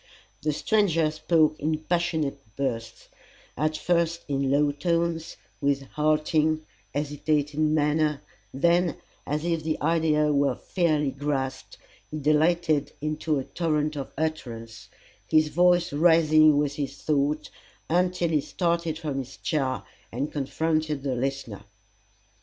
The stranger spoke in passionate bursts, at first in low tones, with halting, hesitating manner, then, as if the idea were fairly grasped, he dilated into a torrent of utterance, his voice rising with his thought, until he started from his chair and confronted the listener.